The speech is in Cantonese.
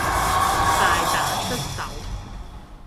大打出手